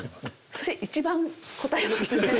それ一番こたえますね。